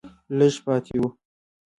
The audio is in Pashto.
لږه پاتې وه